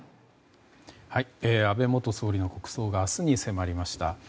安倍元総理の国葬が明日に迫りました。